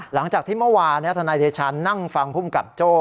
หลังจากที่เมื่อวานธนายเดชานั่งฟังภูมิกับโจ้